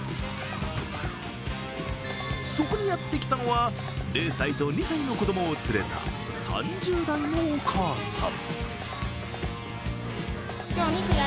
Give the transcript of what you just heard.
そこにやってきたのは、０歳と２歳の子供を連れた３０代のお母さん。